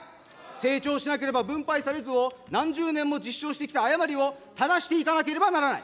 成長しなければ分配されずを何十年も実証してきた誤りを正していかなければならない。